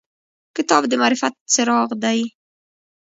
کتاب د معرفت څراغ دی.